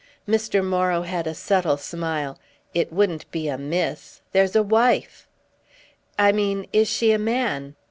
Mr. Morrow had a subtle smile. "It wouldn't be 'Miss'—there's a wife!" "I mean is she a man?"